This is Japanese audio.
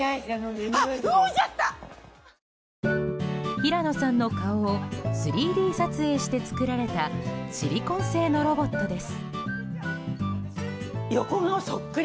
平野さんの顔を３Ｄ撮影して作られたシリコン製のロボットです。